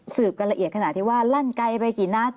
กันละเอียดขนาดที่ว่าลั่นไกลไปกี่นัด